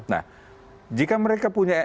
nah jika mereka punya